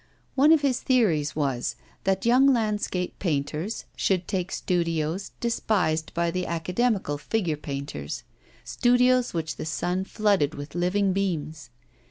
One of his theories was, that young landscape painters should take studios despised by the academical figure painters studios which the sun flooded with living beams.